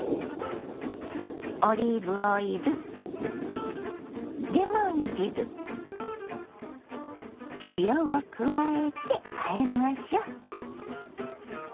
オリーブオイルレモン汁塩を加えてあえましょ。